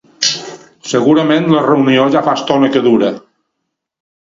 Segurament la reunió ja fa estona que dura.